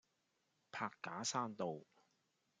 柏架山道